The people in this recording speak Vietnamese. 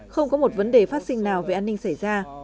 không có một vấn đề phát sinh nào về an ninh xảy ra